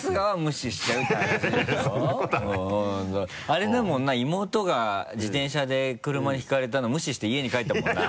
あれだもんな妹が自転車で車にひかれたの無視して家に帰ったもんな。